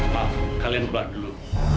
maaf kalian keluar dulu